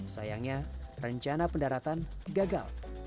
sayangnya rencana pendaratan gagal